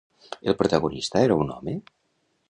El protagonista era un home?